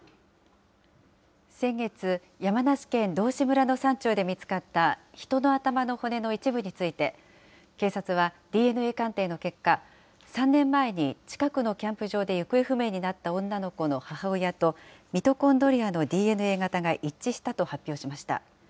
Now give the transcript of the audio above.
先月、山梨県道志村の山中で見つかった人の頭の骨の一部について、警察はＤＮＡ鑑定の結果、３年前に近くのキャンプ場で行方不明になった女の子の母親とミトコンドリアのＤＮＡ型が一致したと発表しました。